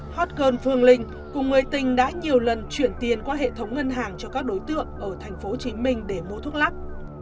hot girl phương linh cùng người tình đã nhiều lần chuyển tiền qua hệ thống ngân hàng cho các đối tượng ở thành phố hồ chí minh để mua thuốc lắc